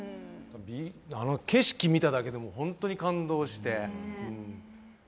あの景色見ただけでも本当に感動して。